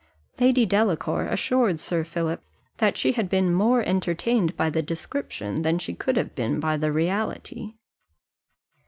Lady Delacour assured Sir Philip that she had been more entertained by the description than she could have been by the reality.